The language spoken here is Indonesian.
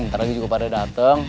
ntar lagi juga pada datang